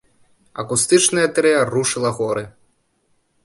Акустычнае трыа рушыла горы!